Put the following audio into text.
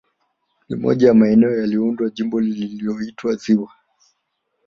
Ni moja ya maeneo yaliyounda Jimbo lililoitwa ziwa